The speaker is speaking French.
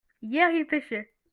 hier ils pêchaient.